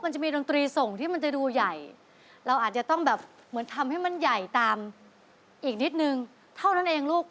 จะมีดนตรีส่งที่มันจะดูใหญ่เราอาจจะต้องแบบเหมือนทำให้มันใหญ่ตามอีกนิดนึงเท่านั้นเองลูก